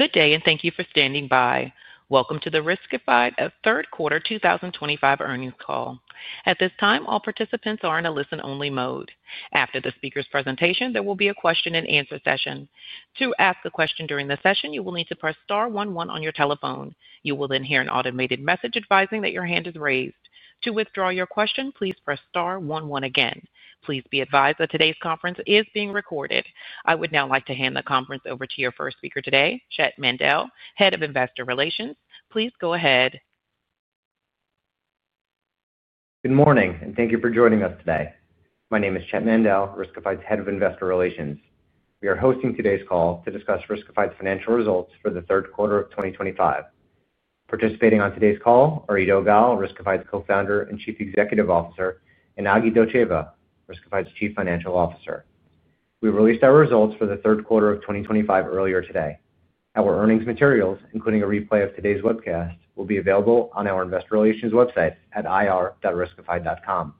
Good day, and thank you for standing by. Welcome to the Riskified Third Quarter 2025 Earnings Call. At this time, all participants are in a listen-only mode. After the speaker's presentation, there will be a question-and-answer session. To ask a question during the session, you will need to press star one one on your telephone. You will then hear an automated message advising that your hand is raised. To withdraw your question, please press star one one again. Please be advised that today's conference is being recorded. I would now like to hand the conference over to your first speaker today, Chett Mandel, Head of Investor Relations. Please go ahead. Good morning, and thank you for joining us today. My name is Chett Mandel, Riskified's Head of Investor Relations. We are hosting today's call to discuss Riskified's financial results for the third quarter of 2025. Participating on today's call are Eido Gal, Riskified's Co-founder and Chief Executive Officer, and Aglika Dotcheva, Riskified's Chief Financial Officer. We released our results for the third quarter of 2025 earlier today. Our earnings materials, including a replay of today's webcast, will be available on our Investor Relations website at ir-riskified.com.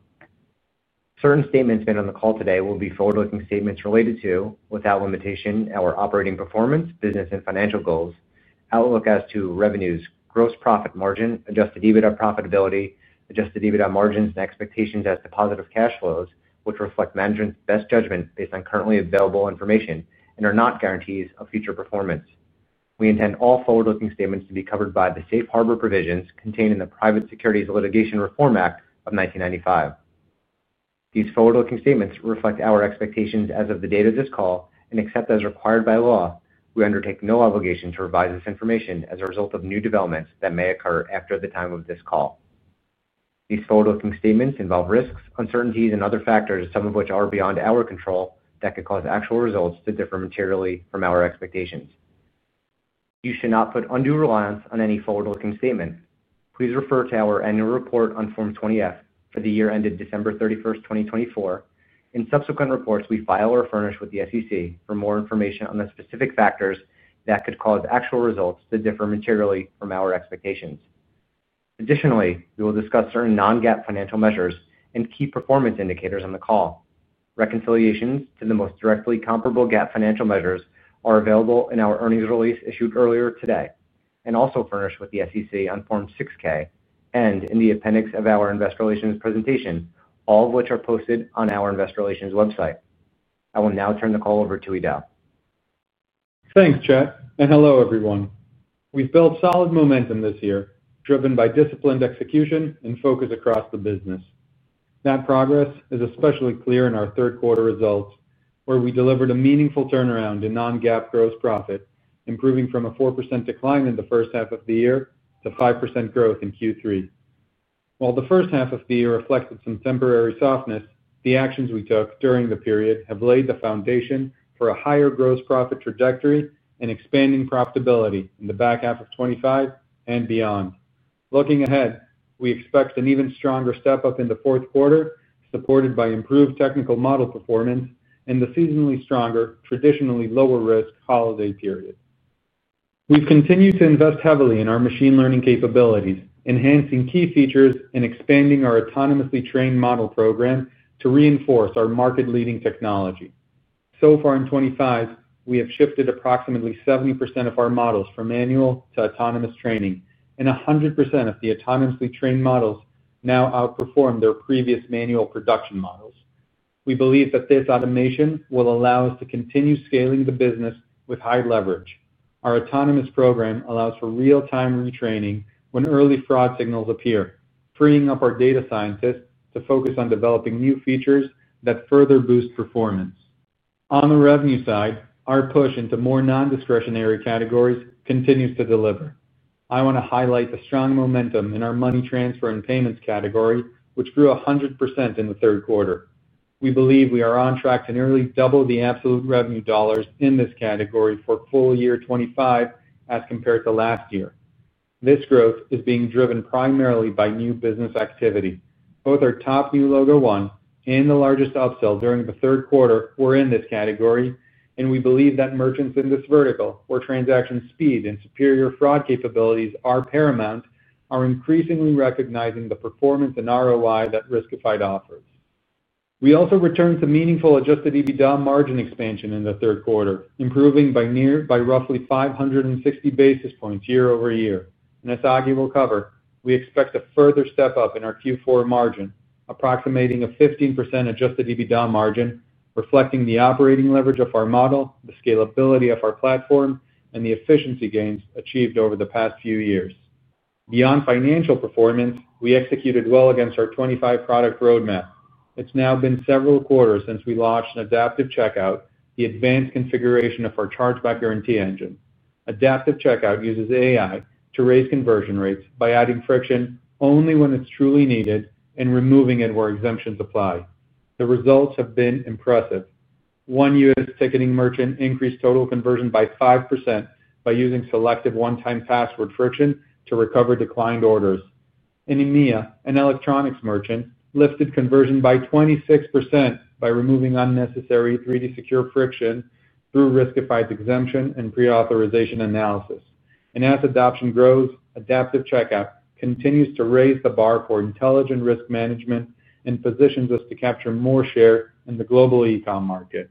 Certain statements made on the call today will be forward-looking statements related to, without limitation, our operating performance, business, and financial goals, outlook as to revenues, gross profit margin, adjusted EBITDA profitability, adjusted EBITDA margins, and expectations as to positive cash flows, which reflect management's best judgment based on currently available information and are not guarantees of future performance. We intend all forward-looking statements to be covered by the safe harbor provisions contained in the Private Securities Litigation Reform Act of 1995. These forward-looking statements reflect our expectations as of the date of this call, and except as required by law, we undertake no obligation to revise this information as a result of new developments that may occur after the time of this call. These forward-looking statements involve risks, uncertainties, and other factors, some of which are beyond our control, that could cause actual results to differ materially from our expectations. You should not put undue reliance on any forward-looking statement. Please refer to our annual report on Form 20-F for the year ended December 31, 2024. In subsequent reports, we file or furnish with the SEC for more information on the specific factors that could cause actual results to differ materially from our expectations. Additionally, we will discuss certain non-GAAP financial measures and key performance indicators on the call. Reconciliations to the most directly comparable GAAP financial measures are available in our earnings release issued earlier today and also furnished with the SEC on Form 6-K and in the appendix of our Investor Relations presentation, all of which are posted on our Investor Relations website. I will now turn the call over to Eido. Thanks, Chett, and hello, everyone. We've built solid momentum this year, driven by disciplined execution and focus across the business. That progress is especially clear in our third quarter results, where we delivered a meaningful turnaround in non-GAAP gross profit, improving from a 4% decline in the first half of the year to 5% growth in Q3. While the first half of the year reflected some temporary softness, the actions we took during the period have laid the foundation for a higher gross profit trajectory and expanding profitability in the back half of 2025 and beyond. Looking ahead, we expect an even stronger step up in the fourth quarter, supported by improved technical model performance and the seasonally stronger, traditionally lower-risk holiday period. We've continued to invest heavily in our machine learning capabilities, enhancing key features and expanding our autonomously trained model program to reinforce our market-leading technology. So far in 2025, we have shifted approximately 70% of our models from manual to autonomous training, and 100% of the autonomously trained models now outperform their previous manual production models. We believe that this automation will allow us to continue scaling the business with high leverage. Our autonomous program allows for real-time retraining when early fraud signals appear, freeing up our data scientists to focus on developing new features that further boost performance. On the revenue side, our push into more non-discretionary categories continues to deliver. I want to highlight the strong momentum in our money transfer and payments category, which grew 100% in the third quarter. We believe we are on track to nearly double the absolute revenue dollars in this category for full year 2025 as compared to last year. This growth is being driven primarily by new business activity. Both our top new logo one and the largest upsell during the third quarter were in this category, and we believe that merchants in this vertical, where transaction speed and superior fraud capabilities are paramount, are increasingly recognizing the performance and ROI that Riskified offers. We also returned to meaningful adjusted EBITDA margin expansion in the third quarter, improving by roughly 560 basis points year-over-year. As Aglika will cover, we expect a further step up in our Q4 margin, approximating a 15% adjusted EBITDA margin, reflecting the operating leverage of our model, the scalability of our platform, and the efficiency gains achieved over the past few years. Beyond financial performance, we executed well against our 2025 product roadmap. It has now been several quarters since we launched Adaptive Checkout, the advanced configuration of our Chargeback Guarantee engine. Adaptive Checkout uses AI to raise conversion rates by adding friction only when it's truly needed and removing it where exemptions apply. The results have been impressive. One U.S. ticketing merchant increased total conversion by 5% by using selective One-Time Password friction to recover declined orders. In EMEA, an electronics merchant lifted conversion by 26% by removing unnecessary 3D Secure friction through Riskified's exemption and pre-authorization analysis. As adoption grows, Adaptive Checkout continues to raise the bar for intelligent risk management and positions us to capture more share in the global e-com market.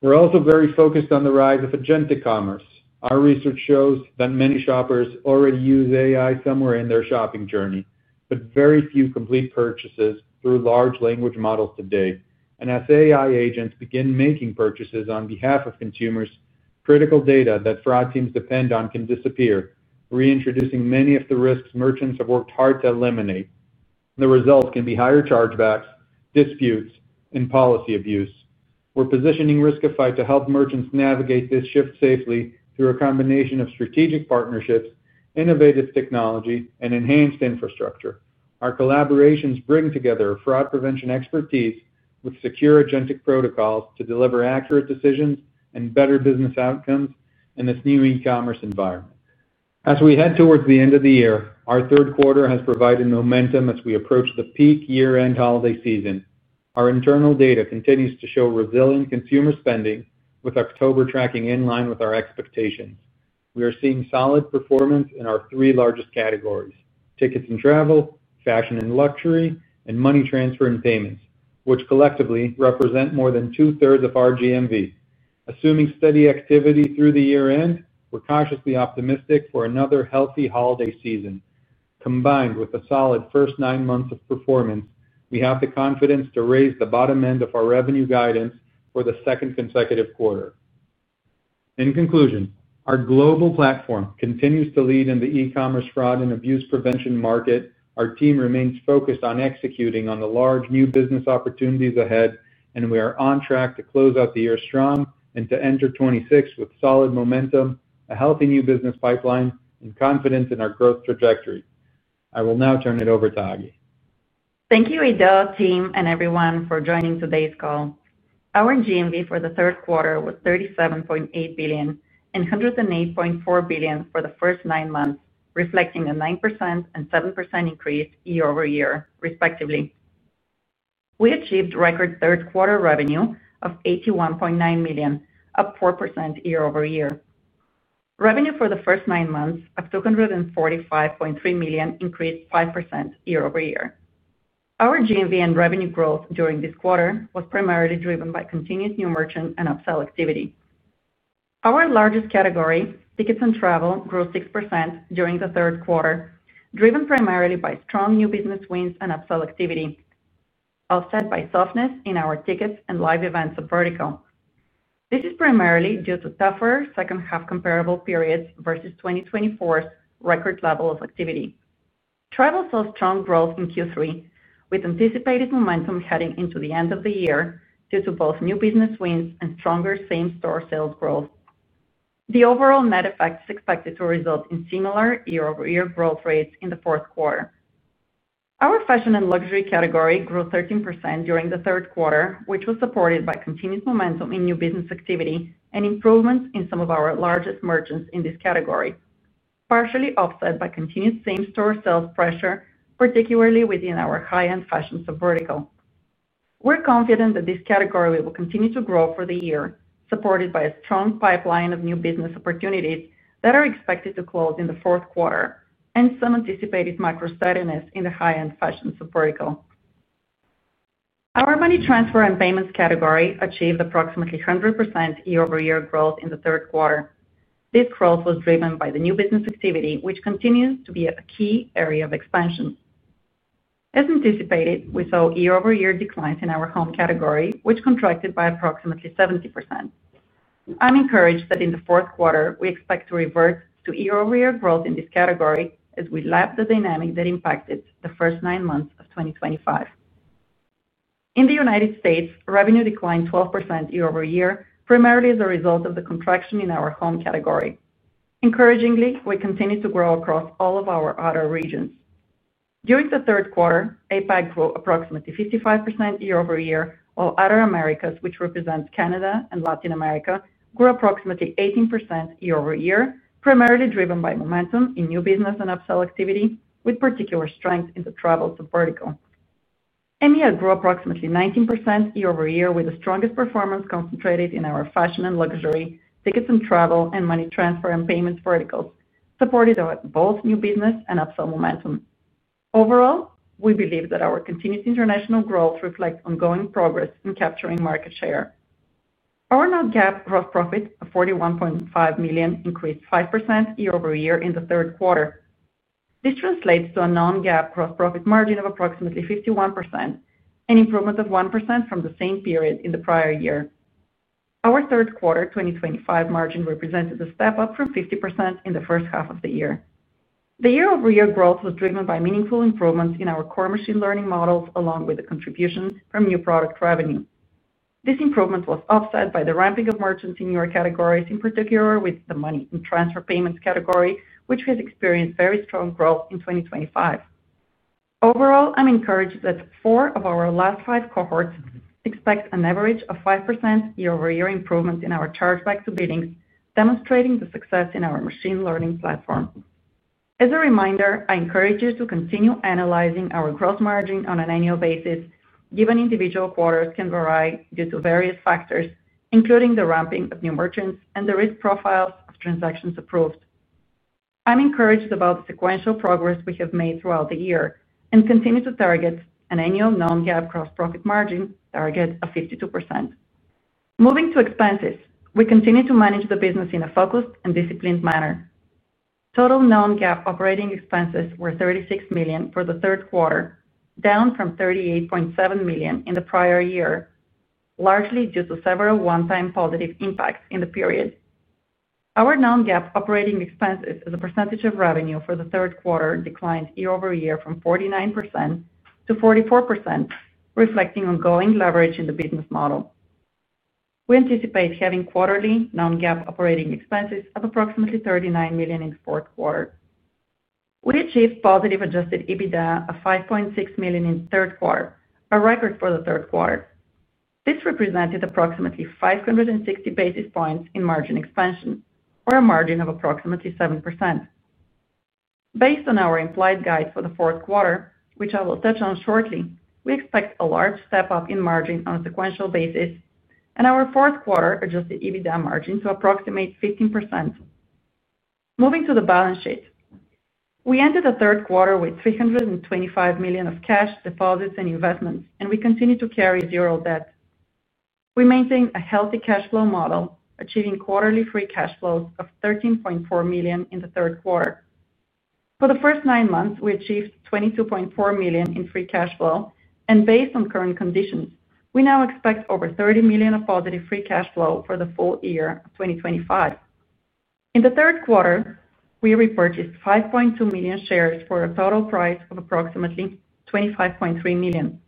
We're also very focused on the rise of agentic commerce. Our research shows that many shoppers already use AI somewhere in their shopping journey, but very few complete purchases through large language models today. As AI agents begin making purchases on behalf of consumers, critical data that fraud teams depend on can disappear, reintroducing many of the risks merchants have worked hard to eliminate. The results can be higher chargebacks, disputes, and policy abuse. We are positioning Riskified to help merchants navigate this shift safely through a combination of strategic partnerships, innovative technology, and enhanced infrastructure. Our collaborations bring together fraud prevention expertise with secure agentic protocols to deliver accurate decisions and better business outcomes in this new e-commerce environment. As we head towards the end of the year, our third quarter has provided momentum as we approach the peak year-end holiday season. Our internal data continues to show resilient consumer spending, with October tracking in line with our expectations. We are seeing solid performance in our three largest categories: tickets and travel, fashion and luxury, and money transfer and payments, which collectively represent more than two-thirds of our GMV. Assuming steady activity through the year-end, we're cautiously optimistic for another healthy holiday season. Combined with the solid first nine months of performance, we have the confidence to raise the bottom end of our revenue guidance for the second consecutive quarter. In conclusion, our global platform continues to lead in the e-commerce fraud and abuse prevention market. Our team remains focused on executing on the large new business opportunities ahead, and we are on track to close out the year strong and to enter 2026 with solid momentum, a healthy new business pipeline, and confidence in our growth trajectory. I will now turn it over to Agi. Thank you, Eido, team, and everyone for joining today's call. Our GMV for the third quarter was $37.8 billion and $108.4 billion for the first nine months, reflecting a 9% and 7% increase year-over-year, respectively. We achieved record third quarter revenue of $81.9 million, up 4% year-over-year. Revenue for the first nine months of $245.3 million increased 5% year-over-year. Our GMV and revenue growth during this quarter was primarily driven by continuous new merchant and upsell activity. Our largest category, tickets and travel, grew 6% during the third quarter, driven primarily by strong new business wins and upsell activity, offset by softness in our tickets and live events vertical. This is primarily due to tougher second-half comparable periods versus 2023's record level of activity. Travel saw strong growth in Q3, with anticipated momentum heading into the end of the year due to both new business wins and stronger same-store sales growth. The overall net effect is expected to result in similar year-over-year growth rates in the fourth quarter. Our fashion and luxury category grew 13% during the third quarter, which was supported by continuous momentum in new business activity and improvements in some of our largest merchants in this category, partially offset by continued same-store sales pressure, particularly within our high-end fashions subvertical. We're confident that this category will continue to grow for the year, supported by a strong pipeline of new business opportunities that are expected to close in the fourth quarter and some anticipated macro steadiness in the high-end fashions subvertical. Our money transfer and payments category achieved approximately 100% year-over-year growth in the third quarter. This growth was driven by the new business activity, which continues to be a key area of expansion. As anticipated, we saw year-over-year declines in our home category, which contracted by approximately 70%. I'm encouraged that in the fourth quarter, we expect to revert to year-over-year growth in this category as we lap the dynamic that impacted the first nine months of 2025. In the U.S., revenue declined 12% year-over-year, primarily as a result of the contraction in our home category. Encouragingly, we continue to grow across all of our other regions. During the third quarter, APAC grew approximately 55% year-over-year, while other Americas, which represents Canada and Latin America, grew approximately 18% year-over-year, primarily driven by momentum in new business and upsell activity, with particular strength in the travel subvertical. EMEA grew approximately 19% year-over-year, with the strongest performance concentrated in our fashion and luxury, tickets and travel, and money transfer and payments verticals, supported by both new business and upsell momentum. Overall, we believe that our continuous international growth reflects ongoing progress in capturing market share. Our non-GAAP gross profit of $41.5 million increased 5% year-over-year in the third quarter. This translates to a non-GAAP gross profit margin of approximately 51%, an improvement of 1% from the same period in the prior year. Our third quarter 2023 margin represented a step up from 50% in the first half of the year. The year-over-year growth was driven by meaningful improvements in our core machine learning models, along with the contribution from new product revenue. This improvement was offset by the ramping of merchants in new categories, in particular with the money and transfer payments category, which has experienced very strong growth in 2025. Overall, I'm encouraged that four of our last five cohorts expect an average of 5% year-over-year improvement in our chargeback to bidding, demonstrating the success in our machine learning platform. As a reminder, I encourage you to continue analyzing our gross margin on an annual basis, given individual quarters can vary due to various factors, including the ramping of new merchants and the risk profiles of transactions approved. I'm encouraged about the sequential progress we have made throughout the year and continue to target an annual non-GAAP gross profit margin target of 52%. Moving to expenses, we continue to manage the business in a focused and disciplined manner. Total non-GAAP operating expenses were $36 million for the third quarter, down from $38.7 million in the prior year, largely due to several one-time positive impacts in the period. Our non-GAAP operating expenses as a percentage of revenue for the third quarter declined year-over-year from 49% to 44%, reflecting ongoing leverage in the business model. We anticipate having quarterly non-GAAP operating expenses of approximately $39 million in the fourth quarter. We achieved positive adjusted EBITDA of $5.6 million in the third quarter, a record for the third quarter. This represented approximately 560 basis points in margin expansion, or a margin of approximately 7%. Based on our implied guide for the fourth quarter, which I will touch on shortly, we expect a large step up in margin on a sequential basis, and our fourth quarter adjusted EBITDA margin to approximate 15%. Moving to the balance sheet, we ended the third quarter with $325 million of cash deposits and investments, and we continue to carry zero debt. We maintain a healthy cash flow model, achieving quarterly free cash flows of $13.4 million in the third quarter. For the first nine months, we achieved $22.4 million in free cash flow, and based on current conditions, we now expect over $30 million of positive free cash flow for the full year of 2025. In the third quarter, we repurchased 5.2 million shares for a total price of approximately $25.3 million.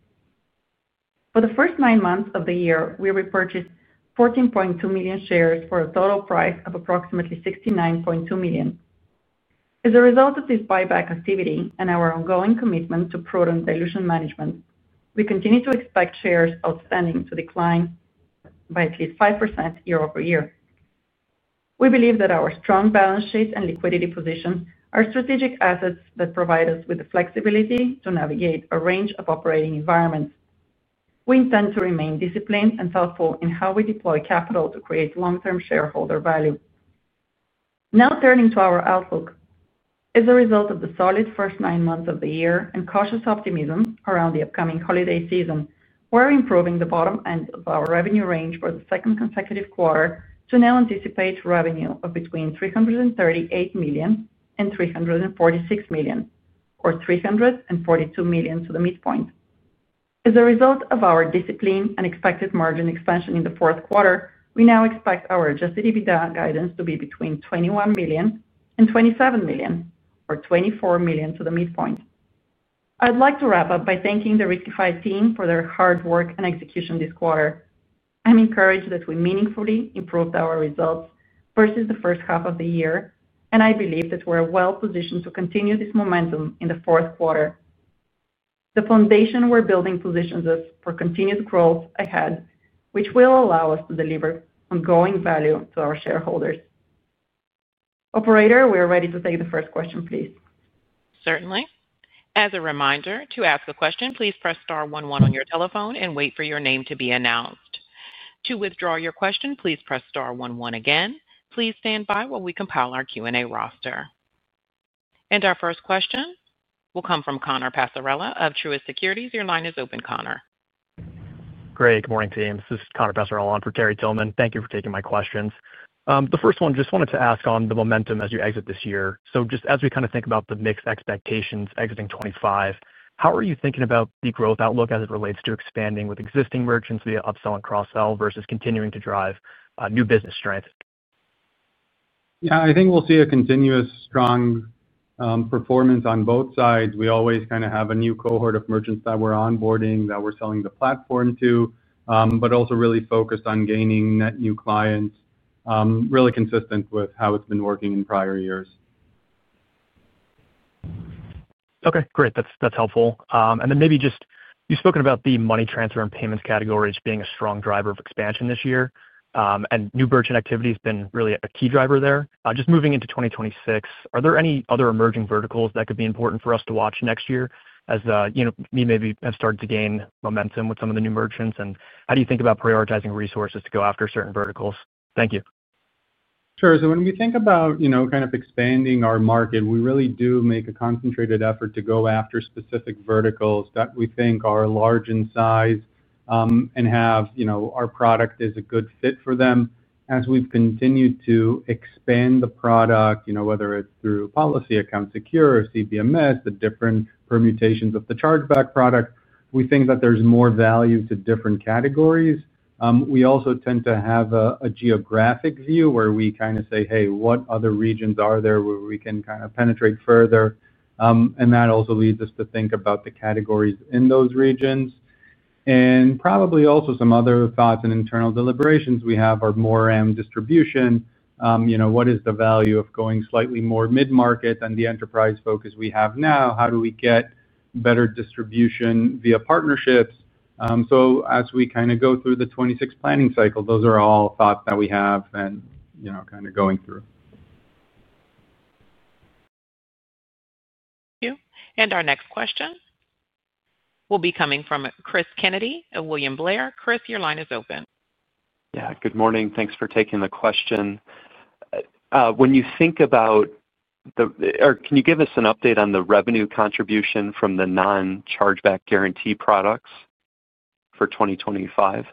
For the first nine months of the year, we repurchased 14.2 million shares for a total price of approximately $69.2 million. As a result of this buyback activity and our ongoing commitment to proven dilution management, we continue to expect shares outstanding to decline by at least 5% year-over-year. We believe that our strong balance sheet and liquidity position are strategic assets that provide us with the flexibility to navigate a range of operating environments. We intend to remain disciplined and thoughtful in how we deploy capital to create long-term shareholder value. Now turning to our outlook, as a result of the solid first nine months of the year and cautious optimism around the upcoming holiday season, we're improving the bottom end of our revenue range for the second consecutive quarter to now anticipate revenue of between $338 million and $346 million, or $342 million at the midpoint. As a result of our discipline and expected margin expansion in the fourth quarter, we now expect our adjusted EBITDA guidance to be between $21 million and $27 million, or $24 million at the midpoint. I'd like to wrap up by thanking the Riskified team for their hard work and execution this quarter. I'm encouraged that we meaningfully improved our results versus the first half of the year, and I believe that we're well positioned to continue this momentum in the fourth quarter. The foundation we're building positions us for continued growth ahead, which will allow us to deliver ongoing value to our shareholders. Operator, we are ready to take the first question, please. Certainly. As a reminder, to ask a question, please press star one one on your telephone and wait for your name to be announced. To withdraw your question, please press star one one again. Please stand by while we compile our Q&A roster. Our first question will come from Connor Passarella of Truist Securities. Your line is open, Connor. Great. Good morning, team. This is Connor Passarella on for Terry Tillman. Thank you for taking my questions. The first one, just wanted to ask on the momentum as you exit this year. Just as we kind of think about the mixed expectations exiting 2025, how are you thinking about the growth outlook as it relates to expanding with existing merchants via upsell and cross-sell versus continuing to drive new business strength? Yeah, I think we'll see a continuous strong performance on both sides. We always kind of have a new cohort of merchants that we're onboarding, that we're selling the platform to, but also really focused on gaining net new clients, really consistent with how it's been working in prior years. Okay, great. That's helpful. Maybe just you've spoken about the money transfer and payments categories being a strong driver of expansion this year, and new merchant activity has been really a key driver there. Just moving into 2026, are there any other emerging verticals that could be important for us to watch next year as we maybe have started to gain momentum with some of the new merchants? How do you think about prioritizing resources to go after certain verticals? Thank you. Sure. When we think about kind of expanding our market, we really do make a concentrated effort to go after specific verticals that we think are large in size and have our product as a good fit for them. As we've continued to expand the product, whether it's through Policy Protect, Secure, or CBMS, the different permutations of the Chargeback Guarantee product, we think that there's more value to different categories. We also tend to have a geographic view where we kind of say, "Hey, what other regions are there where we can kind of penetrate further?" That also leads us to think about the categories in those regions. Probably also some other thoughts and internal deliberations we have are more around distribution. What is the value of going slightly more mid-market than the enterprise focus we have now? How do we get better distribution via partnerships? As we kind of go through the 2026 planning cycle, those are all thoughts that we have and kind of going through. Thank you. Our next question will be coming from Chris Kennedy of William Blair. Chris, your line is open. Yeah, good morning. Thanks for taking the question. When you think about the—or can you give us an update on the revenue contribution from the non-Chargeback Guarantee products for 2025?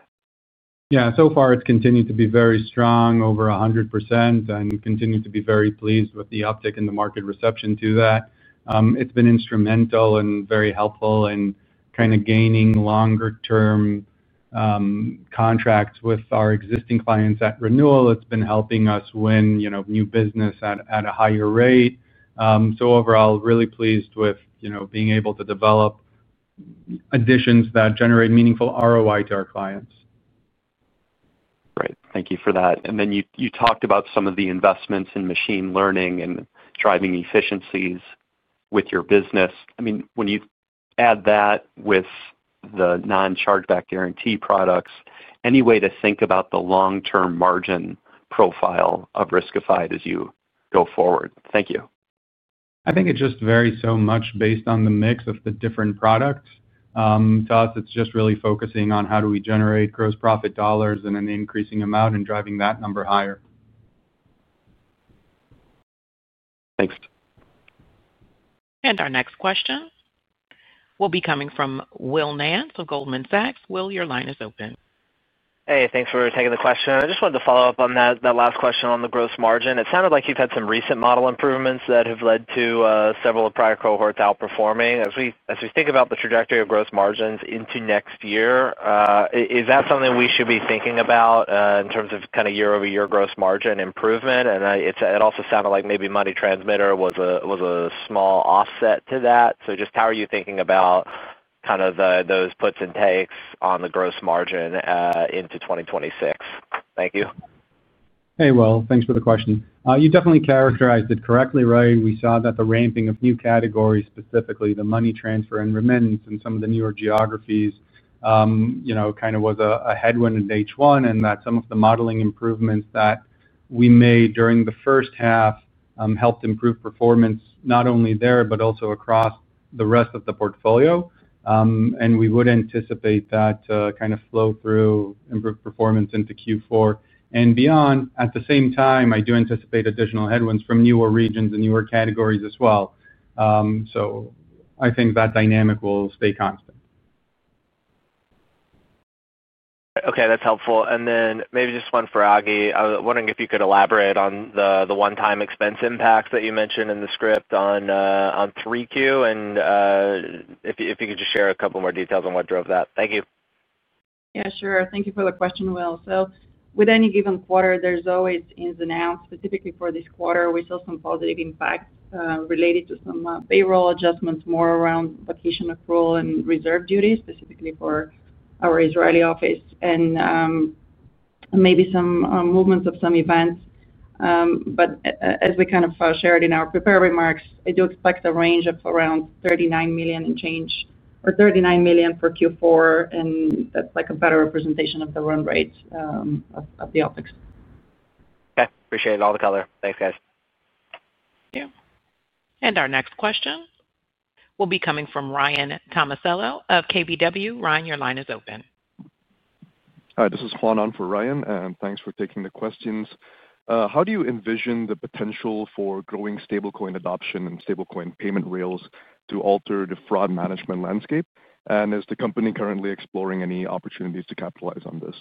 Yeah, so far it's continued to be very strong, over 100%, and continued to be very pleased with the uptick in the market reception to that. It's been instrumental and very helpful in kind of gaining longer-term contracts with our existing clients at renewal. It's been helping us win new business at a higher rate. Overall, really pleased with being able to develop additions that generate meaningful ROI to our clients. Great. Thank you for that. You talked about some of the investments in machine learning and driving efficiencies with your business. I mean, when you add that with the non-Chargeback Guarantee products, any way to think about the long-term margin profile of Riskified as you go forward? Thank you. I think it just varies so much based on the mix of the different products. To us, it's just really focusing on how do we generate gross profit dollars in an increasing amount and driving that number higher. Thanks. Our next question will be coming from Will Nance of Goldman Sachs. Will, your line is open. Hey, thanks for taking the question. I just wanted to follow up on that last question on the gross margin. It sounded like you've had some recent model improvements that have led to several prior cohorts outperforming. As we think about the trajectory of gross margins into next year, is that something we should be thinking about in terms of kind of year-over-year gross margin improvement? It also sounded like maybe money transmitter was a small offset to that. Just how are you thinking about kind of those puts and takes on the gross margin into 2026? Thank you. Hey, Will, thanks for the question. You definitely characterized it correctly, right? We saw that the ramping of new categories, specifically the money transfer and remittance in some of the newer geographies, kind of was a headwind at H1 and that some of the modeling improvements that we made during the first half helped improve performance not only there, but also across the rest of the portfolio. We would anticipate that kind of flow through improved performance into Q4 and beyond. At the same time, I do anticipate additional headwinds from newer regions and newer categories as well. I think that dynamic will stay constant. Okay, that's helpful. Maybe just one for Agi. I was wondering if you could elaborate on the one-time expense impact that you mentioned in the script on 3Q, and if you could just share a couple more details on what drove that. Thank you. Yeah, sure. Thank you for the question, Will. With any given quarter, there's always things announced. Specifically for this quarter, we saw some positive impacts related to some payroll adjustments more around vacation accrual and reserve duties, specifically for our Israeli office, and maybe some movements of some events. As we kind of shared in our prepared remarks, I do expect a range of around $39 million and change or $39 million for Q4, and that's like a better representation of the run rate of the OpEx. Okay. Appreciate it. All the color. Thanks, guys. Thank you. Our next question will be coming from Ryan Tomasello of KBW. Ryan, your line is open. Hi, this is Juanon for Ryan, and thanks for taking the questions. How do you envision the potential for growing stablecoin adoption and stablecoin payment rails to alter the fraud management landscape? Is the company currently exploring any opportunities to capitalize on this?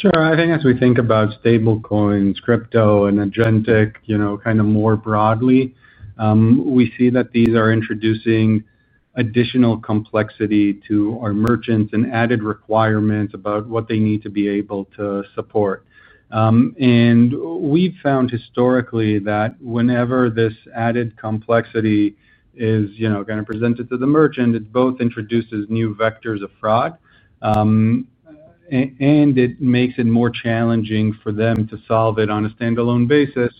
Sure. I think as we think about stablecoins, crypto, and agentic kind of more broadly, we see that these are introducing additional complexity to our merchants and added requirements about what they need to be able to support. We've found historically that whenever this added complexity is kind of presented to the merchant, it both introduces new vectors of fraud, and it makes it more challenging for them to solve it on a standalone basis,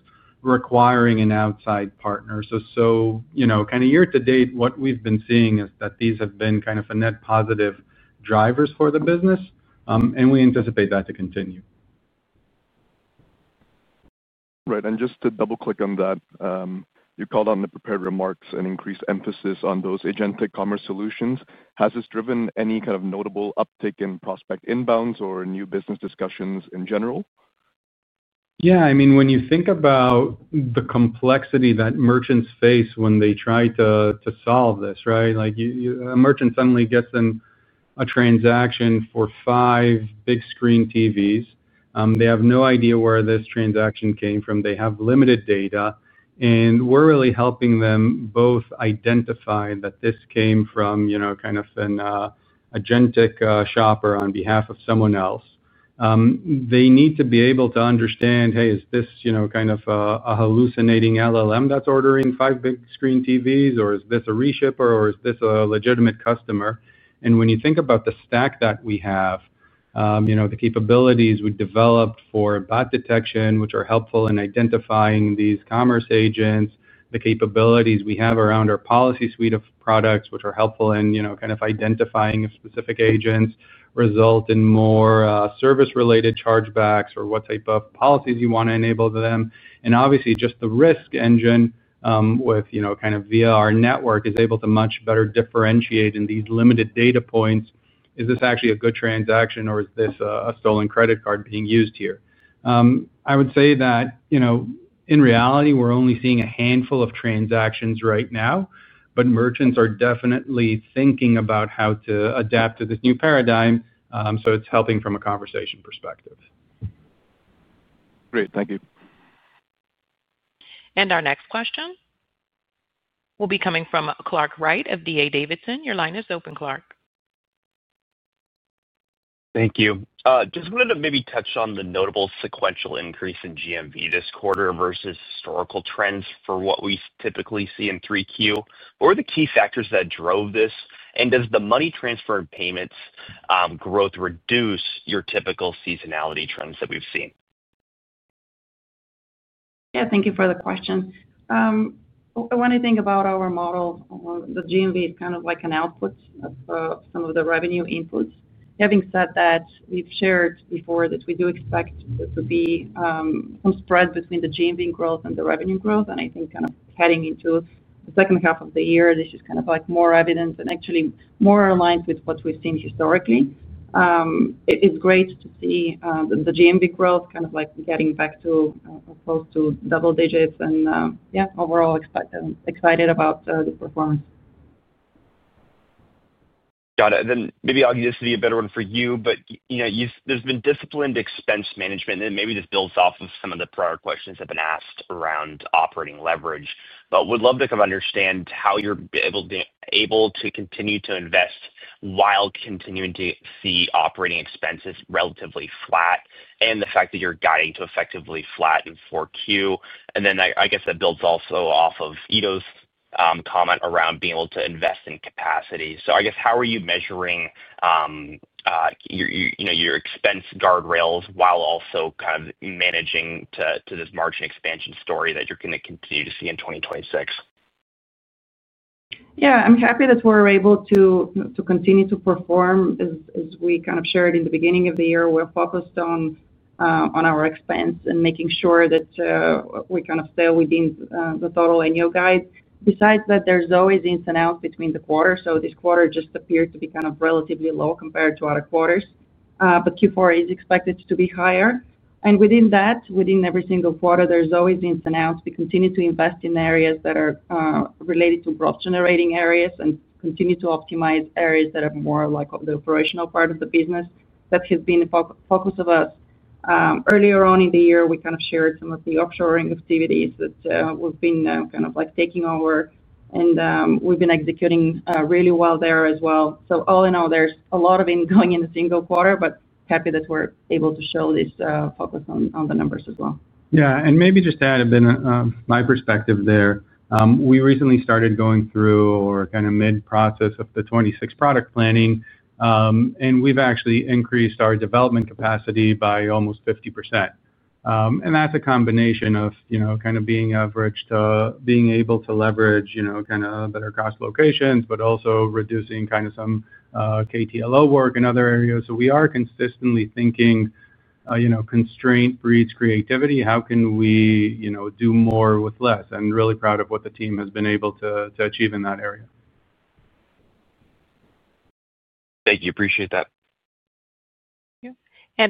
requiring an outside partner. Kind of year to date, what we've been seeing is that these have been kind of net positive drivers for the business, and we anticipate that to continue. Right. And just to double-click on that, you called on the prepared remarks and increased emphasis on those agentic commerce solutions. Has this driven any kind of notable uptick in prospect inbounds or new business discussions in general? Yeah. I mean, when you think about the complexity that merchants face when they try to solve this, right? A merchant suddenly gets in a transaction for five big screen TVs. They have no idea where this transaction came from. They have limited data. And we're really helping them both identify that this came from kind of an agentic shopper on behalf of someone else. They need to be able to understand, "Hey, is this kind of a hallucinating LLM that's ordering five big screen TVs, or is this a reshipper, or is this a legitimate customer?" When you think about the stack that we have, the capabilities we developed for bot detection, which are helpful in identifying these commerce agents, the capabilities we have around our policy suite of products, which are helpful in kind of identifying specific agents, result in more service-related chargebacks or what type of policies you want to enable to them. Obviously, just the risk engine with kind of via our network is able to much better differentiate in these limited data points. Is this actually a good transaction, or is this a stolen credit card being used here? I would say that in reality, we're only seeing a handful of transactions right now, but merchants are definitely thinking about how to adapt to this new paradigm. It is helping from a conversation perspective. Great. Thank you. Our next question will be coming from Clark Wright of D.A. Davidson. Your line is open, Clark. Thank you. Just wanted to maybe touch on the notable sequential increase in GMV this quarter versus historical trends for what we typically see in 3Q. What were the key factors that drove this? Does the money transfer and payments growth reduce your typical seasonality trends that we've seen? Yeah, thank you for the question. When I think about our model, the GMV is kind of like an output of some of the revenue inputs. Having said that, we've shared before that we do expect there to be some spread between the GMV growth and the revenue growth. I think kind of heading into the second half of the year, this is kind of like more evidence and actually more aligned with what we've seen historically. It's great to see the GMV growth kind of like getting back to close to double digits. Yeah, overall, excited about the performance. Got it. And then maybe Agi, this would be a better one for you, but there's been disciplined expense management, and maybe this builds off of some of the prior questions that have been asked around operating leverage. But would love to kind of understand how you're able to continue to invest while continuing to see operating expenses relatively flat and the fact that you're guiding to effectively flat in 4Q. And then I guess that builds also off of Ido's comment around being able to invest in capacity. So I guess how are you measuring your expense guardrails while also kind of managing to this margin expansion story that you're going to continue to see in 2026? Yeah, I'm happy that we're able to continue to perform as we kind of shared in the beginning of the year. We're focused on our expense and making sure that we kind of stay within the total annual guide. Besides that, there's always ins and outs between the quarters. This quarter just appeared to be kind of relatively low compared to other quarters, but Q4 is expected to be higher. Within that, within every single quarter, there's always ins and outs. We continue to invest in areas that are related to gross generating areas and continue to optimize areas that are more like the operational part of the business. That has been the focus of us. Earlier on in the year, we kind of shared some of the offshoring activities that we've been kind of like taking over, and we've been executing really well there as well. All in all, there's a lot of ingoing in the single quarter, but happy that we're able to show this focus on the numbers as well. Yeah. Maybe just to add a bit of my perspective there. We recently started going through or kind of mid-process of the 2026 product planning, and we've actually increased our development capacity by almost 50%. That's a combination of being able to leverage better cost locations, but also reducing some KTLO work in other areas. We are consistently thinking constraint breeds creativity. How can we do more with less? Really proud of what the team has been able to achieve in that area. Thank you. Appreciate that. Thank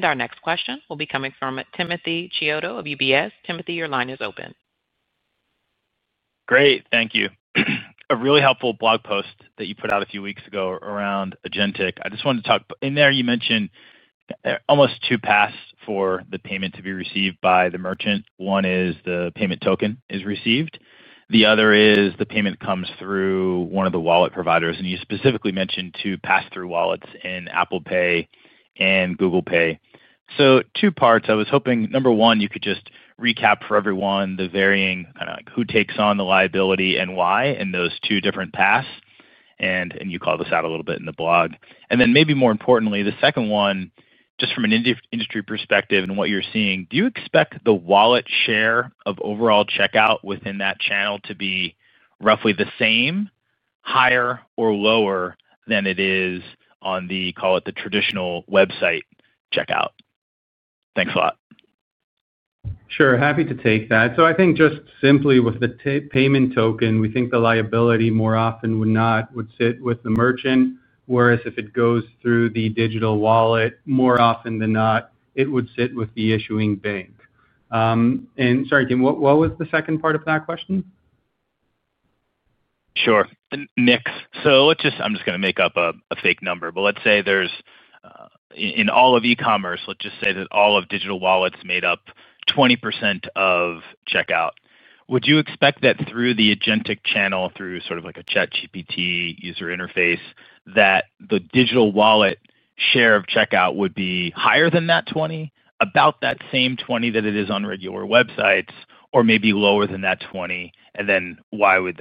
you. Our next question will be coming from Timothy Chiodo of UBS. Timothy, your line is open. Great. Thank you. A really helpful blog post that you put out a few weeks ago around agentic. I just wanted to talk. In there, you mentioned almost two paths for the payment to be received by the merchant. One is the payment token is received. The other is the payment comes through one of the wallet providers. You specifically mentioned two pass-through wallets in Apple Pay and Google Pay. Two parts. I was hoping, number one, you could just recap for everyone the varying kind of who takes on the liability and why in those two different paths. You called this out a little bit in the blog. Maybe more importantly, the second one, just from an industry perspective and what you're seeing, do you expect the wallet share of overall checkout within that channel to be roughly the same, higher, or lower than it is on the, call it the traditional website checkout? Thanks a lot. Sure. Happy to take that. I think just simply with the payment token, we think the liability more often would not sit with the merchant, whereas if it goes through the digital wallet, more often than not, it would sit with the issuing bank. Sorry, Tim, what was the second part of that question? Sure. Mix. I'm just going to make up a fake number, but let's say there's, in all of e-commerce, let's just say that all of digital wallets made up 20% of checkout. Would you expect that through the agentic channel, through sort of like a ChatGPT user interface, that the digital wallet share of checkout would be higher than that 20%, about that same 20% that it is on regular websites, or maybe lower than that 20%? And then why would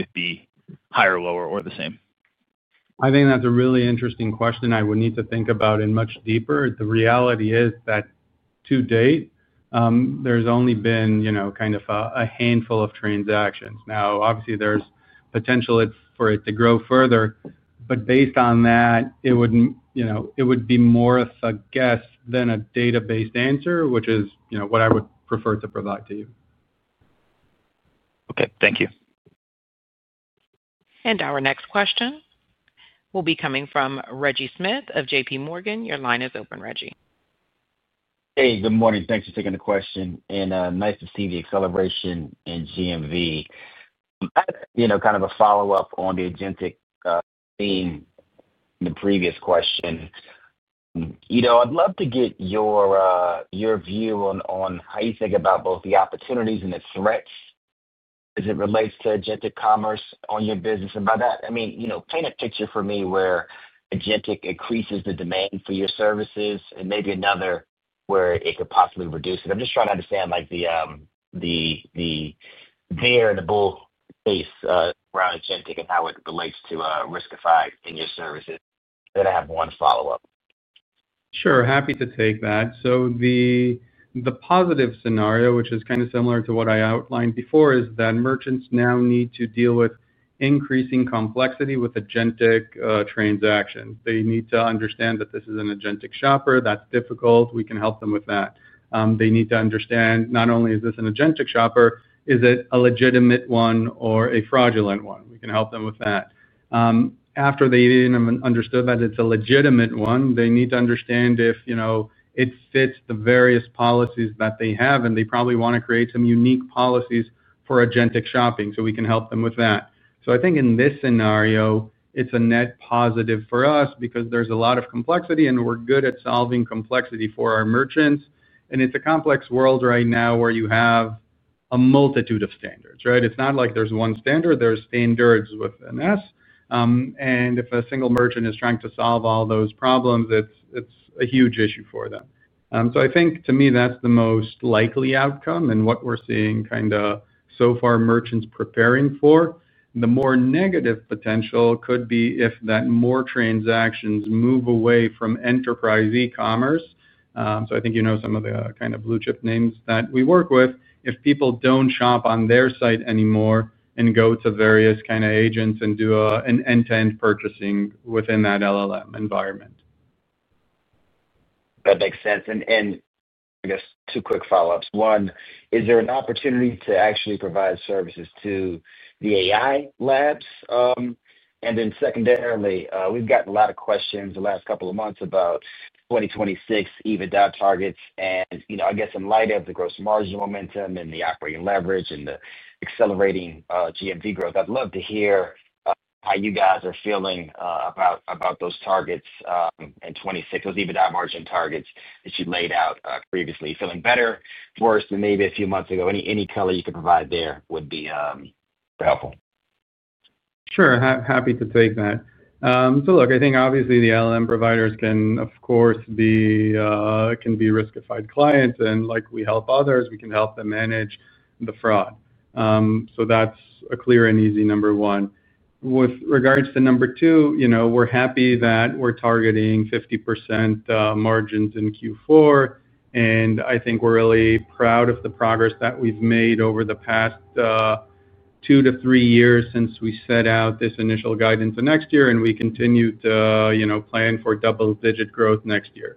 it be higher, lower, or the same? I think that's a really interesting question. I would need to think about it much deeper. The reality is that to date, there's only been kind of a handful of transactions. Now, obviously, there's potential for it to grow further, but based on that, it would be more of a guess than a data-based answer, which is what I would prefer to provide to you. Okay. Thank you. Our next question will be coming from Reggie Smith of JPMorgan. Your line is open, Reggie. Hey, good morning. Thanks for taking the question. Nice to see the acceleration in GMV. Kind of a follow-up on the agentic theme in the previous question. I'd love to get your view on how you think about both the opportunities and the threats as it relates to agentic commerce on your business. By that, I mean paint a picture for me where agentic increases the demand for your services and maybe another where it could possibly reduce it. I'm just trying to understand the bear and the bull case around agentic and how it relates to Riskified and your services. I have one follow-up. Sure. Happy to take that. The positive scenario, which is kind of similar to what I outlined before, is that merchants now need to deal with increasing complexity with agentic transactions. They need to understand that this is an agentic shopper. That is difficult. We can help them with that. They need to understand not only is this an agentic shopper, is it a legitimate one or a fraudulent one? We can help them with that. After they even understood that it is a legitimate one, they need to understand if it fits the various policies that they have, and they probably want to create some unique policies for agentic shopping. We can help them with that. I think in this scenario, it is a net positive for us because there is a lot of complexity, and we are good at solving complexity for our merchants. It's a complex world right now where you have a multitude of standards, right? It's not like there's one standard. There are standards with an S. If a single merchant is trying to solve all those problems, it's a huge issue for them. I think to me, that's the most likely outcome and what we're seeing kind of so far merchants preparing for. The more negative potential could be if more transactions move away from enterprise e-commerce. I think you know some of the kind of blue chip names that we work with. If people don't shop on their site anymore and go to various kind of agents and do an end-to-end purchasing within that LLM environment. That makes sense. I guess two quick follow-ups. One, is there an opportunity to actually provide services to the AI labs? Secondarily, we've gotten a lot of questions the last couple of months about 2026 EBITDA targets. I guess in light of the gross margin momentum and the operating leverage and the accelerating GMV growth, I'd love to hear how you guys are feeling about those targets and 2026, those EBITDA margin targets that you laid out previously. Feeling better, worse, or maybe a few months ago? Any color you could provide there would be helpful. Sure. Happy to take that. Look, I think obviously the LLM providers can, of course, be Riskified clients. Like we help others, we can help them manage the fraud. That is a clear and easy number one. With regards to number two, we are happy that we are targeting 50% margins in Q4. I think we are really proud of the progress that we have made over the past two to three years since we set out this initial guidance for next year, and we continue to plan for double-digit growth next year.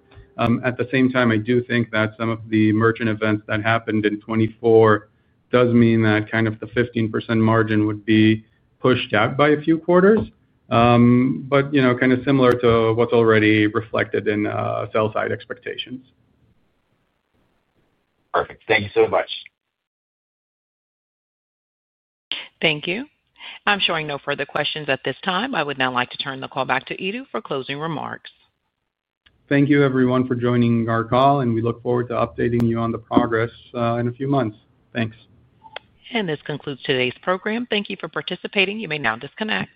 At the same time, I do think that some of the merchant events that happened in 2024 does mean that the 15% margin would be pushed out by a few quarters, but similar to what is already reflected in sell-side expectations. Perfect. Thank you so much. Thank you. I'm showing no further questions at this time. I would now like to turn the call back to Ido for closing remarks. Thank you, everyone, for joining our call, and we look forward to updating you on the progress in a few months. Thanks. This concludes today's program. Thank you for participating. You may now disconnect.